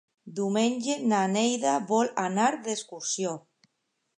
Diumenge na Neida vol anar d'excursió.